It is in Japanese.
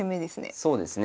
そうですね。